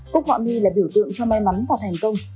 cúc họa mi là biểu tượng cho may mắn và thành công